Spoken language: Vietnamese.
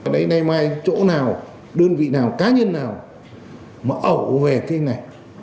đây này mai chỗ nào đơn vị nào cá nhân nào mà ẩu về cái này